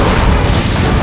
jangan lupa tilam